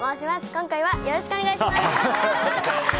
今回はよろしくお願いします。